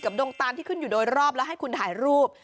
ดงตานที่ขึ้นอยู่โดยรอบแล้วให้คุณถ่ายรูป